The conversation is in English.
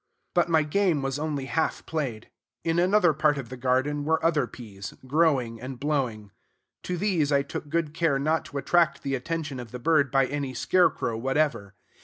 But my game was only half played. In another part of the garden were other peas, growing and blowing. To these I took good care not to attract the attention of the bird by any scarecrow whatever!